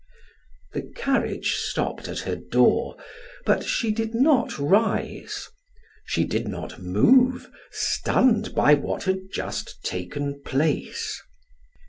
The carriage stopped at her door, but she did not rise; she did not move, stunned by what had just taken place.